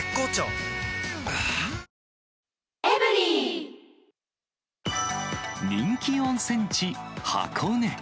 はぁ人気温泉地、箱根。